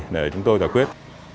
để chúng tôi giải quyết